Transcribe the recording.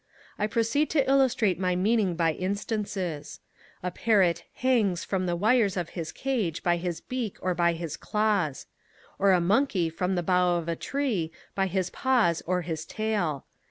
I proceed to illustrate my meaning by instances. A parrot hangs from the wires of his cage by his beak or by his claws; or a monkey from the bough of a tree by his paws or his tail.